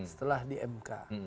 setelah di mk